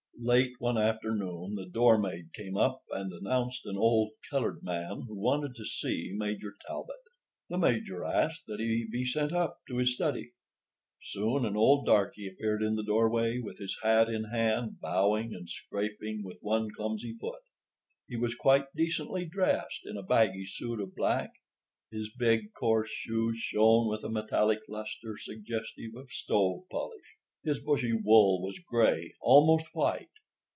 Late one afternoon the door maid came up and announced an old colored man who wanted to see Major Talbot. The Major asked that he be sent up to his study. Soon an old darkey appeared in the doorway, with his hat in hand, bowing, and scraping with one clumsy foot. He was quite decently dressed in a baggy suit of black. His big, coarse shoes shone with a metallic luster suggestive of stove polish. His bushy wool was gray—almost white.